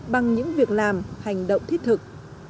bằng những việc làm hành động thiết thực